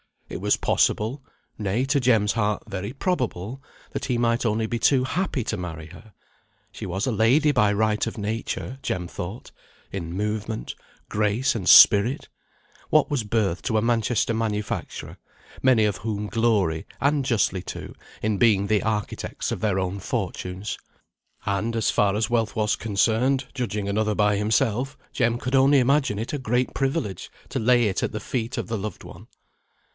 It was possible, nay, to Jem's heart, very probable, that he might only be too happy to marry her. She was a lady by right of nature, Jem thought; in movement, grace, and spirit. what was birth to a Manchester manufacturer, many of whom glory, and justly too, in being the architects of their own fortunes? And, as far as wealth was concerned, judging another by himself, Jem could only imagine it a great privilege to lay it at the feet of the loved one.